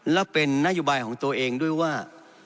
และเป็นนโยบายของตัวเองด้วยว่า